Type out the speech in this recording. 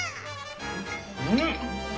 うん！